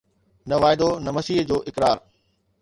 نه واعدو، نه مسيح جو اقرار